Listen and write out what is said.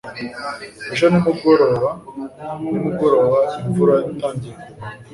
Ejo nimugoroba nimugoroba imvura itangiye kugwa